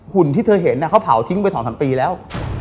ุ่นที่เธอเห็นเขาเผาทิ้งไป๒๓ปีแล้ว